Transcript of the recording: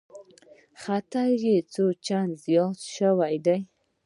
خطر یې څو چنده زیات شوی دی